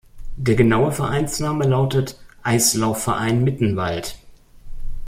Der genaue Vereinsname lautet "Eislaufverein Mittenwald".